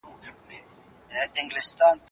باغوان وویل چې مېوې په پخېدو دي.